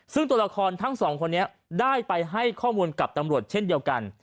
ซึ่งตัวละครทั้งสองคนนี้ได้ไปให้ข้อมูลกับตำรวจเช่นเดียวกัน